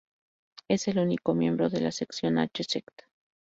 Es el único miembro de la sección "H." sect.